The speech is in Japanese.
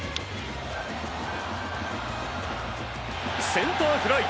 センターフライ！